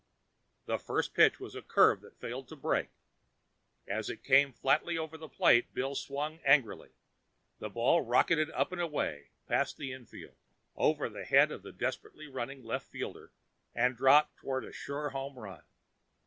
The first pitch was a curve that failed to break. As it came fatly over the plate, Bill swung angrily. The ball rocketed up and away, past the infield, over the head of the desperately running left fielder and dropped toward a sure home run.